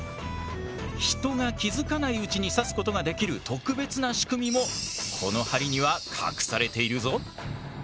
人が気付かないうちに刺すことができる特別な仕組みもこの針には隠されているぞ。